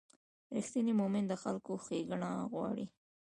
رښتینی مؤمن د خلکو ښېګڼه غواړي.